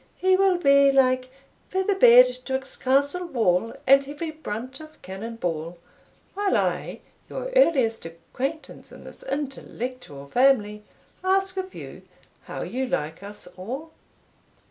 He will be like Feather bed 'twixt castle wall And heavy brunt of cannon ball, while I, your earliest acquaintance in this intellectual family, ask of you how you like us all?"